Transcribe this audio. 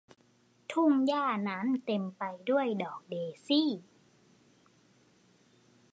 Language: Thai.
ทุ่งหญ้านั้นเต็มไปด้วยดอกเดซี่